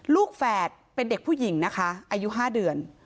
แฝดเป็นเด็กผู้หญิงนะคะอายุ๕เดือน